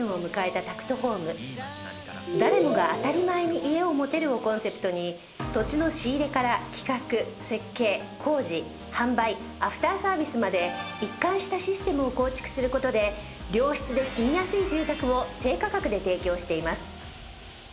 「誰もが当たり前に家を持てる」をコンセプトに土地の仕入れから企画設計工事販売アフターサービスまで一貫したシステムを構築する事で良質で住みやすい住宅を低価格で提供しています